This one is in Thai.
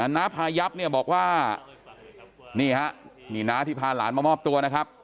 น้าพายับเนี่ยบอกว่านี่ฮะนี่น้าที่พาหลานมามอบตัวนะครับ